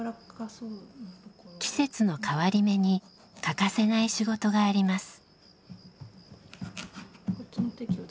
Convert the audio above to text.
季節の変わり目に欠かせない仕事があります。